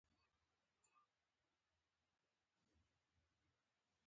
د پاکستان اسلامي جمهوریت د اسلام د بدنامۍ سټېج دی.